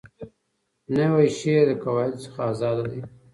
نوی شعر د قواعدو څخه آزاده دی.